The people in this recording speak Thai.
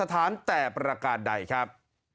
แต่ประกาศใดครับ